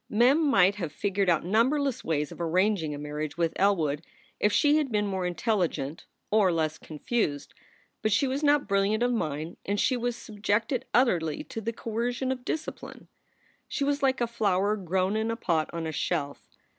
Mem might have figured out numberless ways of arranging a marriage with Elwood if she had been more intelligent or less confused. But she was not brilliant of mind, and she was subjected utterly to the coercion of discipline. She was like a flower grown in a pot on a shelf.